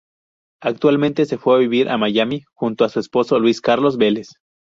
Actualmente se fue a vivir a Miami, junto a su esposo Luis Carlos Velez.